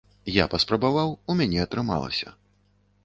Я паспрабаваў, у мяне атрымалася.